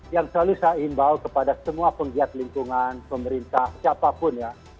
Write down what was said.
yang selalu saya imbau kepada semua penggiat lingkungan pemerintah siapapun ya